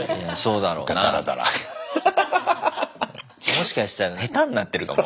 もしかしたら下手になってるかも。